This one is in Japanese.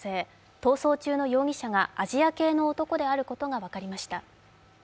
逃走中の容疑者がアジア系であることが分かりました。